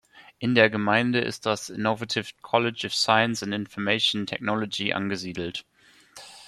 In der Gemeinde ist das Innovative College of Science and Information Technology angesiedelt.